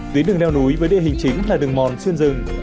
tuyến đường leo núi với địa hình chính là đường mòn